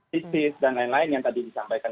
bisnis dan lain lain yang tadi disampaikan